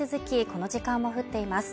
この時間も降っています